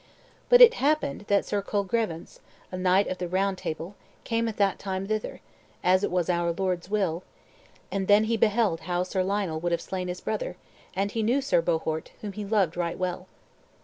But it happened that Sir Colgrevance, a knight of the Round Table, came at that time thither, as it was our Lord's will; and then he beheld how Sir Lionel would have slain his brother, and he knew Sir Bohort, whom he loved right well.